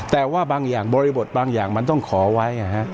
แต่ว่าบางอย่างบริบทบางอย่างมันต้องขอไว้